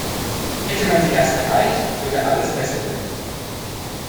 Hätte man sie erst erreicht, würde alles besser werden.